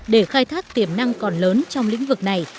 để khai thác tiềm năng còn lớn trong lĩnh vực này